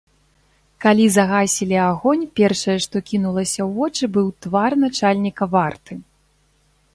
Калі загасілі агонь, першае, што кінулася ў вочы, быў твар начальніка варты.